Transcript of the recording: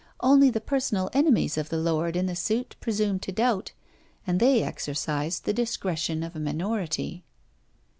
Only the personal enemies of the lord in the suit presumed to doubt, and they exercised the discretion of a minority.